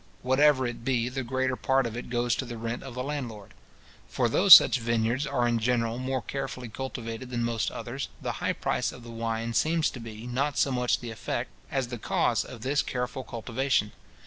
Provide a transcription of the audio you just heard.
Whatever it be, the greater part of it goes to the rent of the landlord. For though such vineyards are in general more carefully cultivated than most others, the high price of the wine seems to be, not so much the effect, as the cause of this careful cultivation.